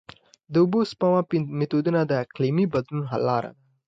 د اوبو د سپما میتودونه د اقلیمي بدلون حل لاره ده.